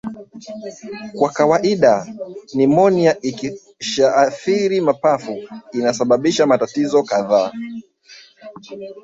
Kwa kawaida nimonia ikishaathiri mapafu inasababisha matatizo kadhaa